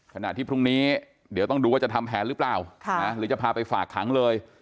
ขณะที่พรุ่งนี้เดี๋ยวต้องดูว่าจะทำแผนหรือเปล่าหรือจะพาไปฝากขังเลย